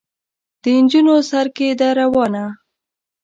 د نجونو سر کې ده روانه.